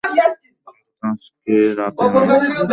অন্তত, আজকে রাতে না।